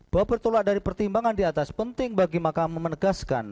bahwa bertolak dari pertimbangan diatas penting bagi makam memenegaskan